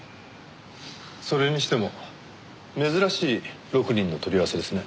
それにしても珍しい６人の取り合わせですね。